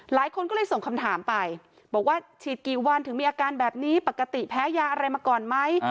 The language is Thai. หลายคนก็เลยส่งคำถามไปบอกว่าฉีดกี่วันถึงมีอาการแบบนี้ปกติแพ้ยาอะไรมาก่อนไหม